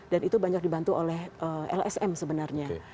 dan itu banyak dibantu oleh lsm sebenarnya